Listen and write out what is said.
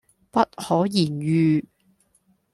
不可言喻